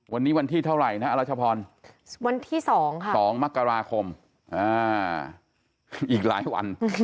วันนี้วันที่เท่าไหร่นะอรัชพรวันที่๒ค่ะ๒มกราคมอีกหลายวัน